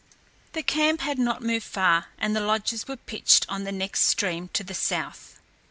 The camp had not moved far, and the lodges were pitched on the next stream to the south.